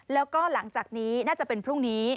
แล้วก็หลังจากนี้น่าจะเป็นพรุ่งนี้